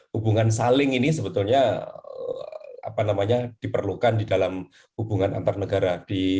hubungan saling ini sebetulnya diperlukan di dalam hubungan antar negara